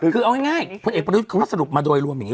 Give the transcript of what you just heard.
คือเอาง่ายพลปฤศภาษาสรุปมาโดยรวม